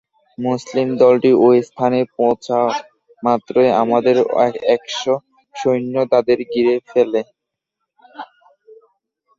মুসলিম দলটি এ স্থানে পৌঁছা মাত্রই আমাদের একশ সৈন্য তাদের ঘিরে ফেলে।